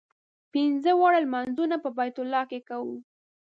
پنځه واړه لمونځونه په بیت الله کې کوو.